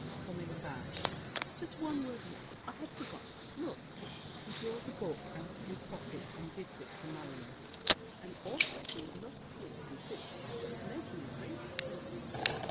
[Coming back. Just one word more! I had forgotten. Look! [He draws a book out of his pocket and gives it to Marion. An author who is not a fool, did this. It's making a great stir.